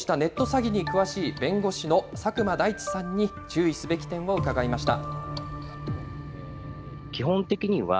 詐欺に詳しい弁護士の佐久間大地さんに、注意すべき点を伺いました。